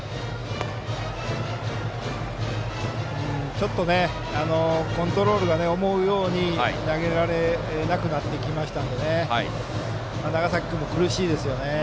ちょっとコントロールが思うように投げられなくなってきたので長崎君も苦しいですね。